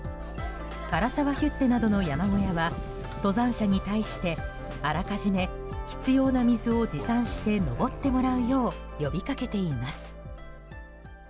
涸沢ヒュッテなどの山小屋は登山者に対してあらかじめ必要な水を持参して登ってもらうよう呼びかけています。